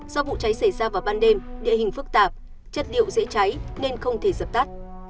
do vụ cháy xảy ra vào ban đêm địa hình phức tạp chất điệu dễ cháy nên không thể dập tắt